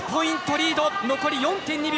リード残り４．２秒。